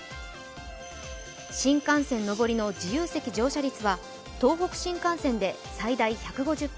新幹線上りの自由席乗車率は東北新幹線で最大１５０％